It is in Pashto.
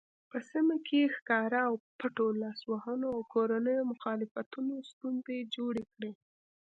په سیمه کې ښکاره او پټو لاسوهنو او کورنیو مخالفتونو ستونزې جوړې کړې.